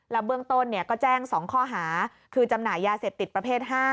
เบื้องต้นก็แจ้ง๒ข้อหาคือจำหน่ายยาเสพติดประเภท๕